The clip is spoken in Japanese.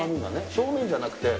正面じゃなくて。